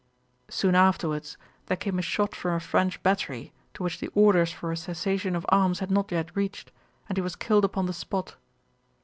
Soon afterwards, there came a shot from a French battery, to which the orders for a cessation of arms had not yet reached, and he was killed upon the spot.